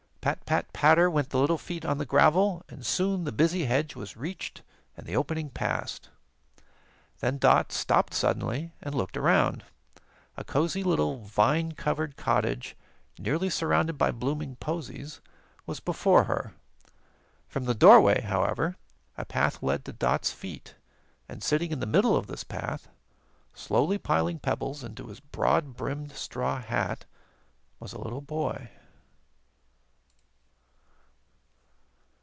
Pat, pat, patter went the little feet on the gravel, and soon the busy hedge was reached and the opening passed. Then Dot stopped suddenly and looked around. A cozy little vine covered cottage nearly surrounded by blooming posies, was before her. From the doorway, however, a path led to Dot's feet, and sitting in the middle of this path, slowly piling pebbles into his broad brimmed straw hat, was a little boy.